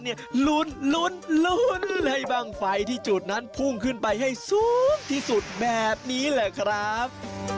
ลุ้นลุ้นให้บ้างไฟที่จุดนั้นพุ่งขึ้นไปให้สูงที่สุดแบบนี้แหละครับ